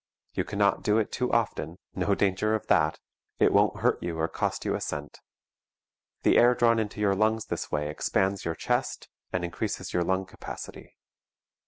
You cannot do it too often, no danger of that! It won't hurt you or cost you a cent. The air drawn into your lungs this way expands your chest and increases your lung capacity.